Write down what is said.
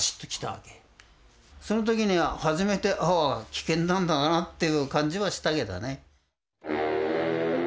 その時に初めてああ危険なんだなという感じはしたけどね。